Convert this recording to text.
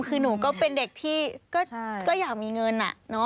คือหนูก็เป็นเด็กที่ก็อยากมีเงิน